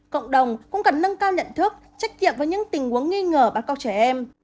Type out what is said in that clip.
cộng đồng cũng cần nâng cao nhận thức trách nhiệm với những tình huống nghi ngờ bắt cóc trẻ em